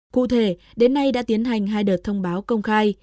cụ thể đến nay đã tiến hành hai đợt thông báo công khai